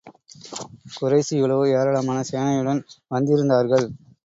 குறைஷிகளோ ஏராளமான சேனையுடன் வந்திருந்தார்கள்.